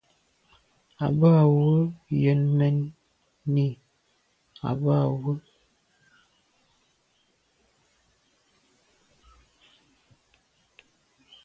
À bə α̂ wə Yə̂n mɛ̀n nî bə α̂ wə.